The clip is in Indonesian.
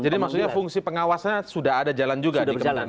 jadi maksudnya fungsi pengawasnya sudah ada jalan juga di kementerian negara